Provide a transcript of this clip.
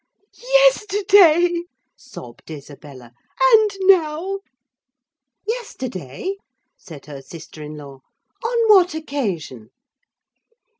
"Yesterday," sobbed Isabella, "and now!" "Yesterday!" said her sister in law. "On what occasion?"